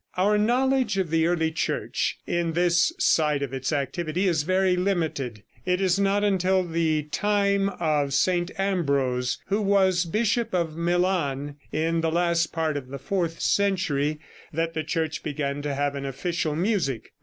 Our knowledge of the early Church, in this side of its activity, is very limited. It is not until the time of St. Ambrose, who was bishop of Milan in the last part of the fourth century, that the Church began to have an official music.